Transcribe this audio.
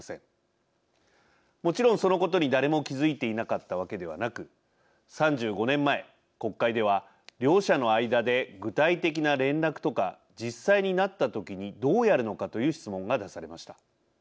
もちろんそのことに誰も気付いていなかったわけではなく３５年前国会では両者の間で具体的な連絡とか実際になった時にどうやるのかという質問が出されました。